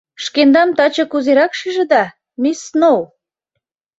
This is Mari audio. — Шкендам таче кузерак шижыда, мисс Сноу?